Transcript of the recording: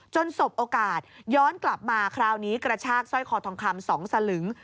สบโอกาสย้อนกลับมาคราวนี้กระชากสร้อยคอทองคำ๒สลึง